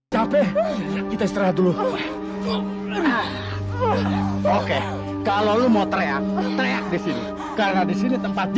capek kita istirahat dulu oke kalau lu mau teriak teriak disini karena disini tempat